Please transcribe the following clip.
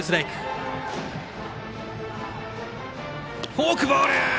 フォークボール！